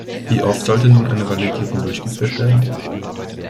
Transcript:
Wie oft sollte nun eine Validierung durchgeführt werden?